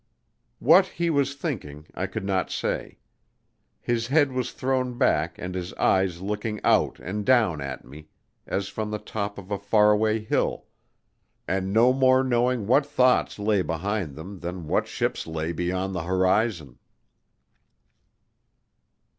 What he was thinking I could not say. His head was thrown back and his eyes looking out and down at me, as from the top of a far away hill, and no more knowing what thoughts lay behind them than what ships lay beyond the horizon.